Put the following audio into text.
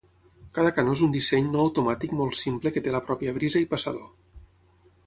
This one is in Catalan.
Cada canó és un disseny no automàtic molt simple que té la pròpia brisa i passador.